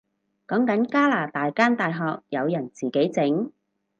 講緊加拿大間大學有人自己整